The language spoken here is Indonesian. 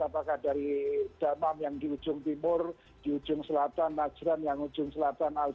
apakah dari damam yang di ujung timur di ujung selatan najran yang ujung selatan